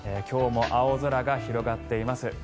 今日も青空が広がっています。